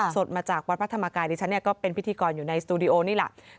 สดมาจากวัดพระธรรมกายดิฉันก็เป็นพิธีกรอยู่ในสตูดิโอนี่แหละ